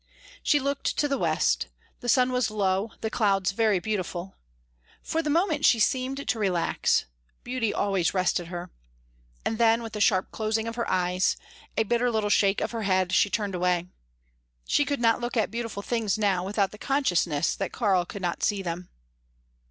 She looked to the west; the sun was low, the clouds very beautiful. For the minute she seemed to relax: beauty always rested her. And then, with a sharp closing of her eyes, a bitter little shake of her head, she turned away. She could not look at beautiful things now without the consciousness that Karl could not see them.